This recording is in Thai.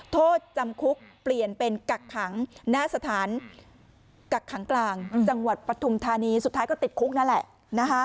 โทษจำคุกเปลี่ยนเป็นกักขังหน้าสถานกักขังกลางจังหวัดปฐุมธานีสุดท้ายก็ติดคุกนั่นแหละนะคะ